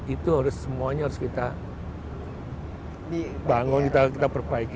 itu harus semuanya harus kita bangun kita perbaiki